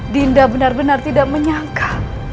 dinda benar benar tidak menyangka